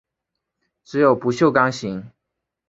只有不锈钢型。